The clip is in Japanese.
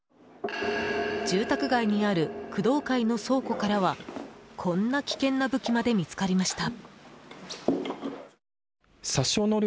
住宅街にある工藤会の倉庫からはこんな危険な武器まで見つかりました。